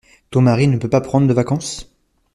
Ton mari ne peut pas prendre de vacances?